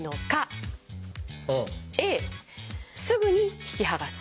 「Ａすぐに引き剥がす」。